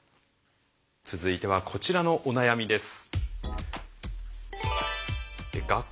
続いてはこちらのお悩みです。